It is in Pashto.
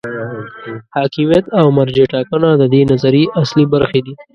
حاکمیت او مرجع ټاکنه د دې نظریې اصلي برخې دي.